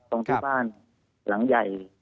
ตรงที่บ้านหลังใหญ่